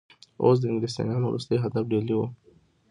اوس د انګلیسیانو وروستی هدف ډهلی وو.